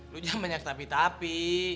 lu jangan banyak tapi tapi